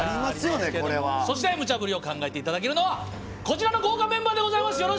そしてムチャぶりを考えていただくのはこちらの豪華メンバーでございます。